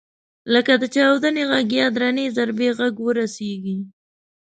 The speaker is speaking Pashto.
لکه د چاودنې غږ یا درنې ضربې غږ ورسېږي.